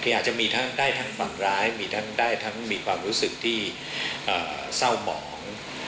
ที่อาจจะได้ทั้งบางร้ายมีความรู้สึกที่เศร้าหมอง